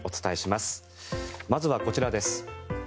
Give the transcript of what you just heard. まずはこちらです。